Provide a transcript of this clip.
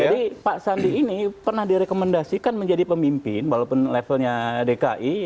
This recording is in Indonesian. jadi pak sandi ini pernah direkomendasikan menjadi pemimpin walaupun levelnya dki